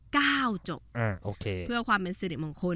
ก้าวจบเพื่อความเป็นสินิมงคล